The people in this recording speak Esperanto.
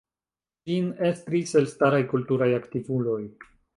Ĝin estris elstaraj kulturaj aktivuloj.